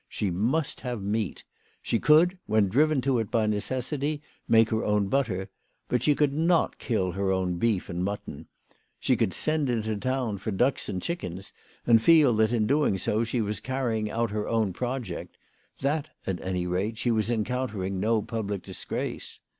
She must have meat. She could, when driven to it by necessity, make her own butter ; but she could not kill her own beef and mutton. She could send into the town for ducks and chickens, and feel that in doing so she was carrying out her own project, that, at any rate, she was encountering no public disgrace.